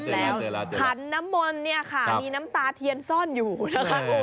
แล้วขันน้ำมนต์เนี่ยค่ะมีน้ำตาเทียนซ่อนอยู่นะคะ